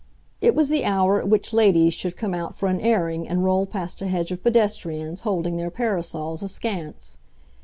It was the hour at which ladies should come out for an airing and roll past a hedge of pedestrians, holding their parasols askance.